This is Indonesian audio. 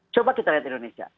coba kita lihat indonesia